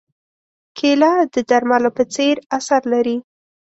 کېله د درملو په څېر اثر لري.